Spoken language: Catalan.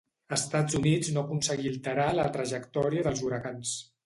Estats Units no aconseguí alterar la trajectòria dels huracans.